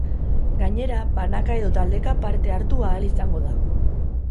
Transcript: Gainera, banaka edo taldeka parte hartu ahal izango da.